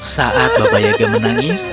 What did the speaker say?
saat baba yaga menangis